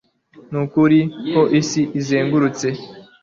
Nukuri ko isi izengurutse